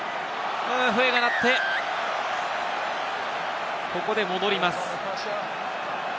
笛が鳴って、ここで戻ります。